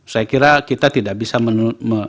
saya kira kita tidak bisa menunjukkan